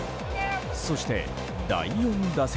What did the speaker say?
そして、第４打席。